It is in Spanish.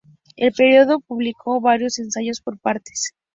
El periódico publicó varios ensayos por partes.